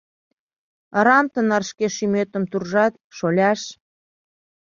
— Арам тынар шке шӱметым туржат, шоляш.